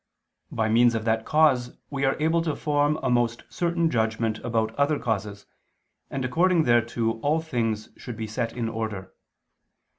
By means of that cause we are able to form a most certain judgment about other causes, and according thereto all things should be set in order.